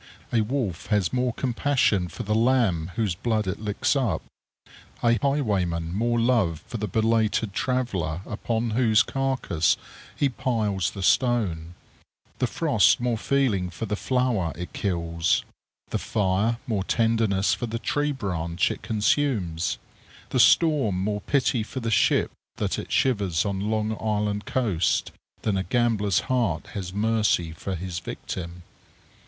A wolf has more compassion for the lamb whose blood it licks up; a highwayman more love for the belated traveller upon whose carcass he piles the stone; the frost more feeling for the flower it kills; the fire more tenderness for the tree branch it consumes; the storm more pity for the ship that it shivers on Long Island coast, than a gambler's heart has mercy for his victim.